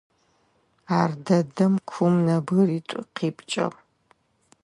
Ар дэдэм кум нэбгыритӏу къипкӏыгъ.